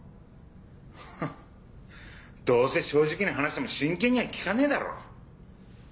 フンどうせ正直に話しても真剣には聞かねえだろ。